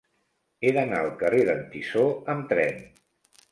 He d'anar al carrer d'en Tissó amb tren.